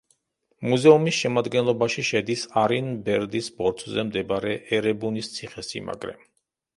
მუზეუმის შემადგენლობაში შედის არინ-ბერდის ბორცვზე მდებარე ერებუნის ციხესიმაგრე.